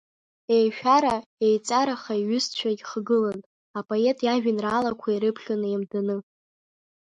Еишәара-еиҵараха иҩызцәа ихагылан, апоет иажәеинраалақәа ирыԥхьон еимданы.